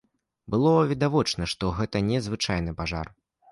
Было відавочна, што гэта незвычайны пажар.